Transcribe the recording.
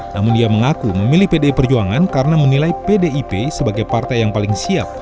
namun dia mengaku memilih pdi perjuangan karena menilai pdip sebagai partai yang paling siap